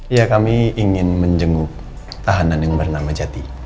ya kami ingin menjenguk tahanan yang bernama jati